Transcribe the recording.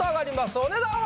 お値段は？